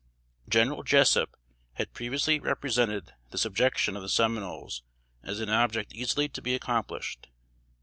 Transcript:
General Jessup had previously represented the subjection of the Seminoles as an object easily to be accomplished.